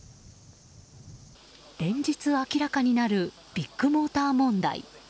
連日明らかになるビッグモーター問題。